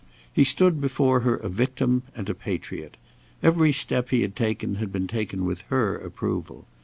He stood before her a victim and a patriot. Every step he had taken had been taken with her approval.